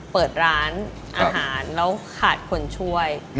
เปิดร้านอาหารแล้วขาดคนช่วย